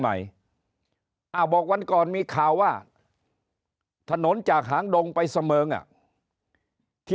ใหม่อ้าวบอกวันก่อนมีข่าวว่าถนนจากหางดงไปเสมิงอ่ะที่